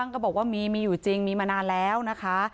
ก็มีมีอยู่จริงมีมานานแล้วนะคะ